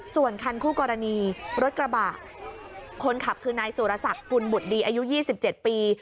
ส่วนคันคู่กรณีรถกระบ่าขนขับที่นายสุรสักกุญบุหรษดีอายุ๒๗ปี